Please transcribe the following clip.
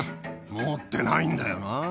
持ってないんだよな。